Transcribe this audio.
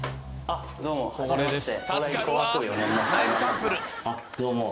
あっどうも。